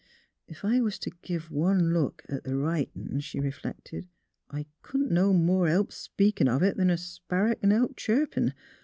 " Ef I was t' giv' one look at th' writin'," she reflected, '' I couldn't no more help speakin' of it, 'an a sparrer c'n help chirpin'.